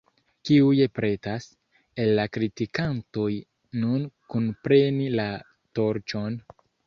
Kiuj pretas, el la kritikantoj, nun kunpreni la torĉon?